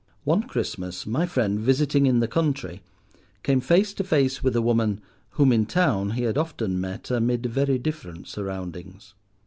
One Christmas, my friend, visiting in the country, came face to face with a woman whom in town he had often met amid very different surroundings.